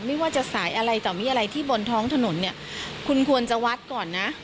ไม่ว่าจะสายอะไรต่อมีอะไรที่บนท้องถนนเนี่ยคุณควรจะวัดก่อนนะ